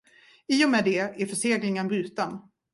I och med det är förseglingen bruten.